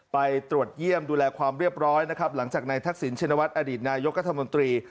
ไปตรวจเยี่ยมดูแลความเรียบร้อยนะครับหลังจากในทักษิณชินวัฒนอดีตนายกรัฐมนตรี